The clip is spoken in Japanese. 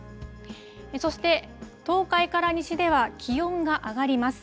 そして、東海から西では気温が上がります。